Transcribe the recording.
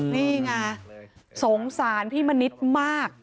นี่ไงสงสารพี่มณิษฐ์มาก